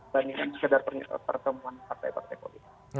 bandingan sekedar pernyataan pertemuan partai partai politik